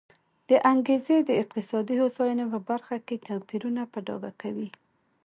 دا انګېزې د اقتصادي هوساینې په برخه کې توپیرونه په ډاګه کوي.